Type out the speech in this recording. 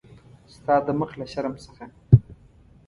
ستا د مخ له شرم څخه.